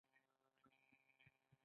دې وسیلې مذهبي تعصبات کمول.